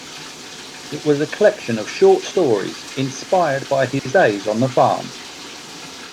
It was a collection of short stories inspired by his days on the farm.